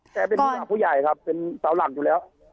แต่เป็นผู้ใหญ่ครับเป็นสาวหลักอยู่แล้ว